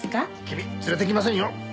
君連れていきませんよ。